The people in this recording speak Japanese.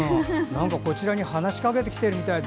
こちらに話しかけてきているみたい。